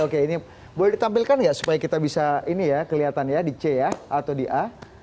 oke ini boleh ditampilkan nggak supaya kita bisa ini ya kelihatan ya di c ya atau di a